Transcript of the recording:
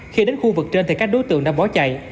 khi đến khu vực trên thì các đối tượng đã bỏ chạy